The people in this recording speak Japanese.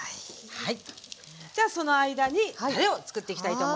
はい。